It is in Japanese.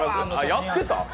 やってた？